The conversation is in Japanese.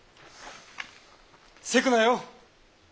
急くなよ